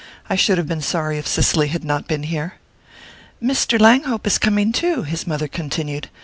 "I should have been sorry if Cicely had not been here." "Mr. Langhope is coming too," his mother continued.